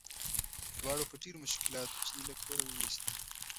دواړو په ډېرو مشکلاتو چیني له کوره وویست.